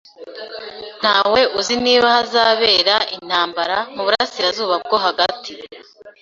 Ntawe uzi niba hazabera intambara mu burasirazuba bwo hagati